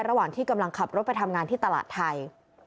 ระหว่างที่กำลังขับรถไปทำงานที่ตลาดไทย